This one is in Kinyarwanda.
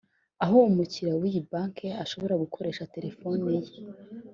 aho umukiriya w’iyi banki ashobora gukoresha terefoni ye